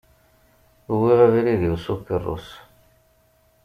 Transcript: Wwiɣ abrid-iw s ukerrus.